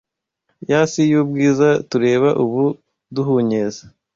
ya si y’ubwiza tureba ubu duhunyeza